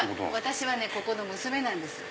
私はここの娘なんです。